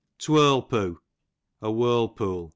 Twirlpoo, a whirl jwol.